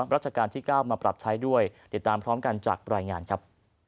ราชการที่๙มาปรับใช้ด้วยติดตามพร้อมกันจากรายงานครับ